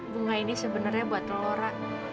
bunga ini sebenarnya buat lora